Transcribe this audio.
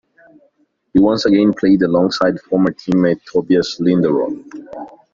He once again played alongside former teammate Tobias Linderoth.